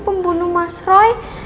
pembunuh mas roy